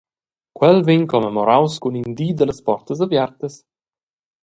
Quel vegn commemoraus cun in di dallas portas aviartas.